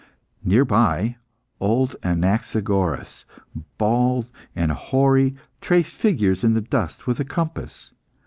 Near by, old Anaxagoras, bald and hoary, traced figures in the dust with a compass.